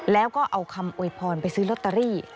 แล้วก็เอาคำโวยพรไปซื้อลอตเตอรี่